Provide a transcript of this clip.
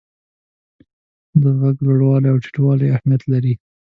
د ږغ لوړوالی او ټیټوالی اهمیت لري.